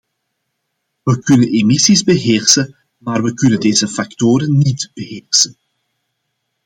We kunnen emissies beheersen maar we kunnen deze factoren niet beheersen.